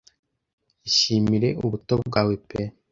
Ishimire ubuto bwawe pe